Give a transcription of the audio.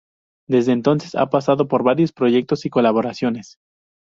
Desde entonces ha pasado por varios proyectos y colaboraciones.